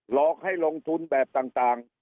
หลอกให้ลงทุนแบบต่าง